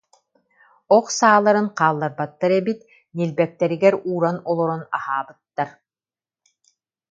Ох сааларын хаалларбаттар эбит, ньилбэктэригэр ууран олорон аһаабыттар